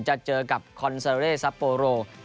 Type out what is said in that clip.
จะเจอกับคอนเซลเลสัปโปโร